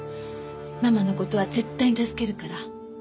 ママの事は絶対に助けるから。